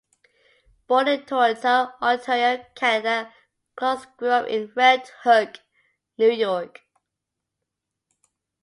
Born in Toronto, Ontario, Canada, Klose grew up in Red Hook, New York.